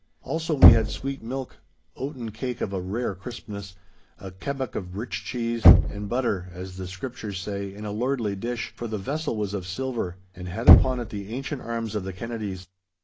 Also we had sweet milk, oaten cake of a rare crispness, a kebbuck of rich cheese, and butter, as the Scriptures say, in a lordly dish, for the vessel was of silver, and had upon it the ancient arms of the Kennedies.